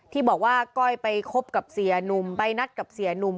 ที่บอกว่าก้อยไปคบกับเสียหนุ่มไปนัดกับเสียหนุ่ม